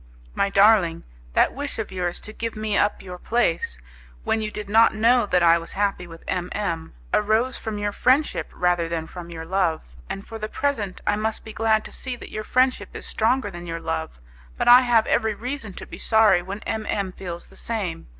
"My darling, that wish of yours to give me up your place, when you did not know that I was happy with M M , arose from your friendship rather than from your love, and for the present I must be glad to see that your friendship is stronger than your love, but I have every reason to be sorry when M M feels the same.